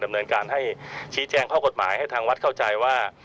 ดำเนินการให้ชี้แจงข้อกฎหมายให้ทางวัดเข้าใจว่า